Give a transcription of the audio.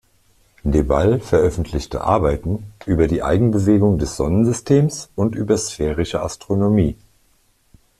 De Ball veröffentlichte Arbeiten über die Eigenbewegung des Sonnensystems und über Sphärische Astronomie.